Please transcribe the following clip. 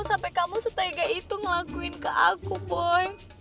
sampai kamu setega itu ngelakuin ke aku boy